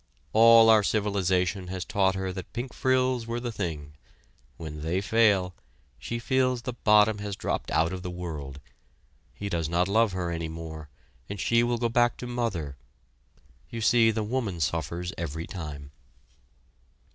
All our civilization has taught her that pink frills were the thing. When they fail she feels the bottom has dropped out of the world he does not love her any more and she will go back to mother! You see the woman suffers every time.